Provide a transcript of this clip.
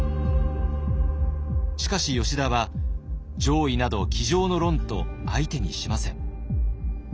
しかし吉田は「攘夷など机上の論」と相手にしません。